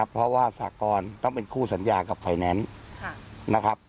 เพราะว่าสากรต้องเป็นคู่สัญญากับไฟแนนซ์นะครับ